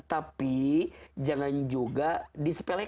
tapi jangan juga disepelkan